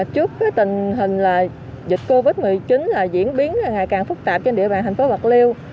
trước tình hình dịch covid một mươi chín diễn biến ngày càng phức tạp trên địa bàn thành phố bạc liêu